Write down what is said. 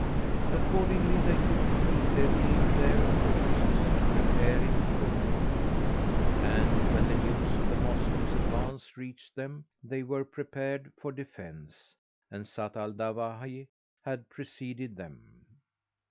Accordingly they took to levying their forces and preparing for war, and, when the news of the Moslems' advance reached them, they were prepared for defence; and Zat al Dawahi had preceded them.